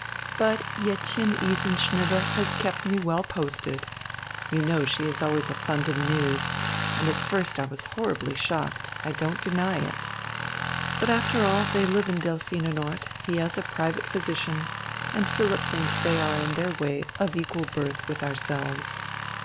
But Jettchen Isenschnibbe has kept me well posted you know she is always a fund of news and at first I was horribly shocked, I don't deny it. But after all they live in Delphinenort, he has a private physician, and Philipp thinks they are in their way of equal birth with ourselves.